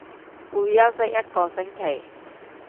會休息一個星期